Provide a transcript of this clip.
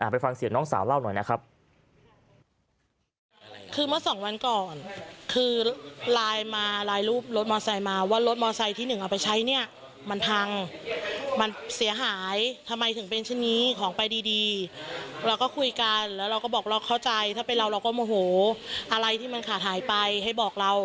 ไปฟังเสียงน้องสาวเล่าหน่อยนะครับ